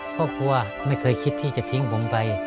ครอบครัวไม่เคยคิดที่จะทิ้งผมไป